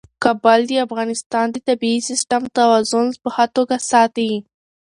کابل د افغانستان د طبعي سیسټم توازن په ښه توګه ساتي.